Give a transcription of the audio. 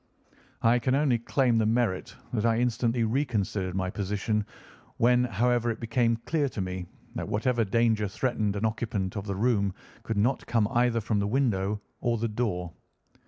I can only claim the merit that I instantly reconsidered my position when, however, it became clear to me that whatever danger threatened an occupant of the room could not come either from the window or the door.